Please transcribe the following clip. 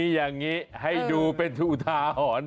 อย่างนี้ให้ดูเป็นอุทาหรณ์